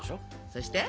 そして？